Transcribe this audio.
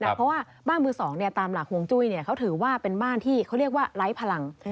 เพราะว่าบ้านมือ๒ตามหลักฮวงจุ้ยเขาถือว่าเป็นบ้านที่เขาเรียกว่าไร้พลัง